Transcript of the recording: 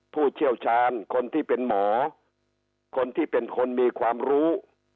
ผู้เชี่ยวชาญคนที่เป็นหมอคนที่เป็นคนมีความรู้